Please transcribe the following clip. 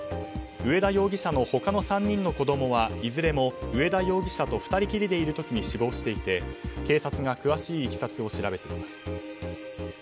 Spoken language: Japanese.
上田容疑者の他の３人の子供はいずれも上田容疑者と２人きりでいる時に死亡していて警察が詳しい経緯を調べています。